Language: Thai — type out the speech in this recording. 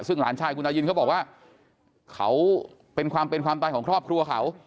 ซึ่งหลานชายคุณตายินเขาบอกว่าเขาเป็นความเป็นความตายของครอบครัวเขา